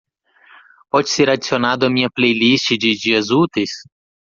Pode ser adicionado à minha playlist de dias úteis?